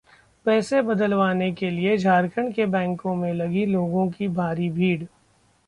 पैसे बदलवाने के लिए झारखंड के बैंको में लगी लोगों की भारी भीड़